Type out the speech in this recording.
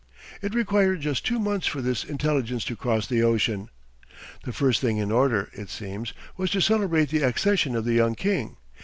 It required just two months for this intelligence to cross the ocean. The first thing in order, it seems, was to celebrate the accession of the young king.